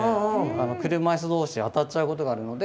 車いす同士当たっちゃうことがあるので。